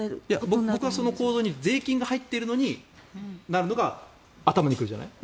僕はその構造に税金が入っているのに頭に来るじゃない。